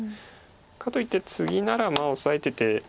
かといってツギならまあオサえてて。